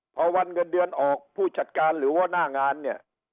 พอวันเงินเดือนออกผู้จัดการหรือว่าหน้างานเนี่ย